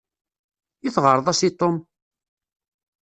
I teɣreḍ-as i Tom?